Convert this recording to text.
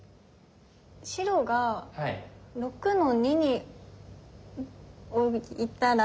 白が６の二に置いたら。